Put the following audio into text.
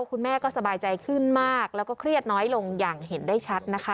คุณแม่ก็สบายใจขึ้นมากแล้วก็เครียดน้อยลงอย่างเห็นได้ชัดนะคะ